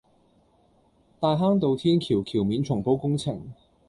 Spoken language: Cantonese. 大坑道天橋橋面重鋪工程